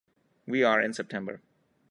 We are in September.